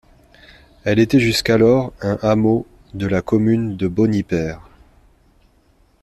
Elle était jusqu’alors un hameau de la commune de Bonipaire.